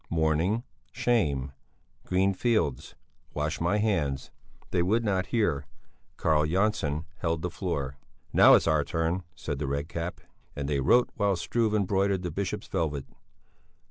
Mourning. Shame. Green fields. Wash my hands. They would not hear. Carl Jönsson held the floor. "Now it's our turn!" said the Red Cap. And they wrote while Struve embroidered the Bishop's velvet.